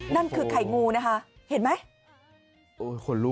นั่นคือไข่งูนะคะเห็นไหม